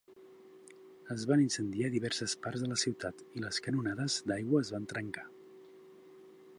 Es van incendiar diverses parts de la ciutat i les canonades d'aigua es van trencar.